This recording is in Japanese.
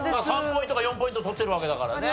３ポイントか４ポイント取ってるわけだからね。